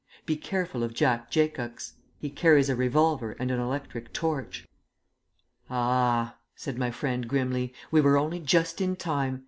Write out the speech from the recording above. "Be careful of Jack Jacox. He carries a revolver and an electric torch." "Ah!" said my friend grimly, "we were only just in time.